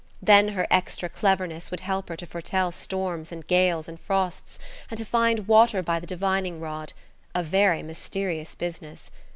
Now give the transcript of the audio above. Then her extra cleverness would help her to foretell storms and gales and frosts, and to find water by the divining rod–a very mysterious business.